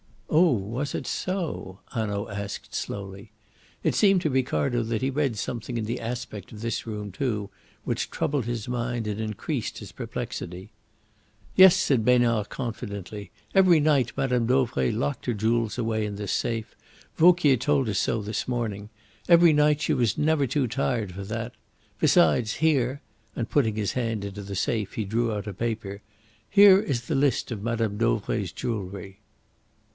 "Oh, was it so?" Hanaud asked slowly. It seemed to Ricardo that he read something in the aspect of this room too, which troubled his mind and increased his perplexity. "Yes," said Besnard confidently. "Every night Mme. Dauvray locked her jewels away in this safe. Vauquier told us so this morning. Every night she was never too tired for that. Besides, here" and putting his hand into the safe he drew out a paper "here is the list of Mme. Dauvray's jewellery."